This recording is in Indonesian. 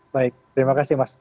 baik terima kasih mas